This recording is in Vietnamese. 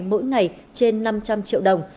mỗi ngày trên năm trăm linh triệu đồng